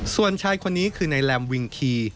ส่วนชายคนนี้คือในลำวิงคี